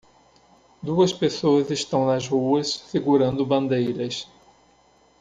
Duas pessoas estão nas ruas segurando bandeiras.